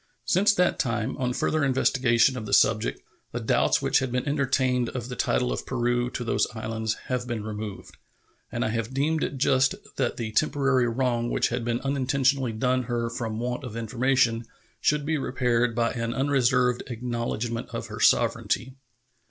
Since that time, on further investigation of the subject, the doubts which had been entertained of the title of Peru to those islands have been removed, and I have deemed it just that the temporary wrong which had been unintentionally done her from want of information should be repaired by an unreserved acknowledgment of her sovereignty.